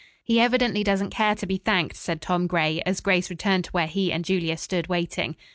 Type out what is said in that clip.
"He evidently doesn't care to be thanked," said Tom Gray as Grace returned to where he and Julia stood waiting.